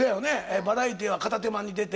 バラエティーは片手間に出て。